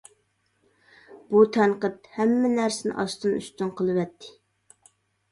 بۇ تەنقىد ھەممە نەرسىنى ئاستىن ئۈستۈن قىلىۋەتتى.